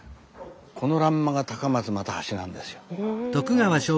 この欄間が高松又八なんですよ。